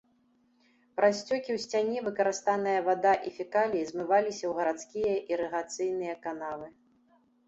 Праз сцёкі ў сцяне выкарыстаная вада і фекаліі змываліся ў гарадскія ірыгацыйныя канавы.